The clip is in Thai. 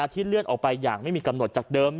เลื่อนออกไปอย่างไม่มีกำหนดจากเดิม